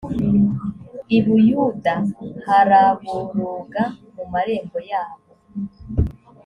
i buyuda haraboroga mu marembo yaho